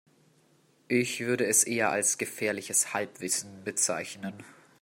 Ich würde es eher als gefährliches Halbwissen bezeichnen.